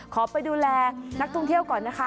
ขอไปดูแลนักท่องเที่ยวก่อนนะคะ